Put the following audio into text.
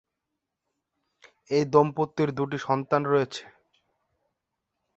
এই দম্পতির দুটি সন্তান রয়েছে।